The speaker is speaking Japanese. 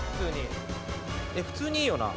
えっ普通にいいよな。